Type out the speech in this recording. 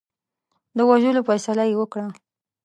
د وژلو فیصله یې وکړه.